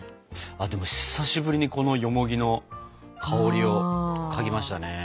あと久しぶりにこのよもぎの香りを嗅ぎましたね。